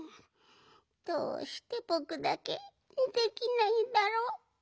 どうしてぼくだけできないんだろ？